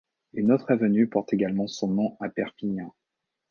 Une autre avenue porte également son nom à Perpignan.